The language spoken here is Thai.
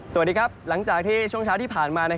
สวัสดีครับหลังจากที่ช่วงเช้าที่ผ่านมา